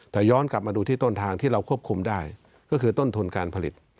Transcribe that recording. แต่ย้อนกลับมาดูที่ต้นทางที่เราควบคุมได้ก็คือต้นทุนการผลิต